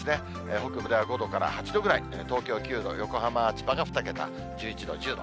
北部では５度から８度ぐらい、東京９度、横浜、千葉が２桁、１１度、１０度。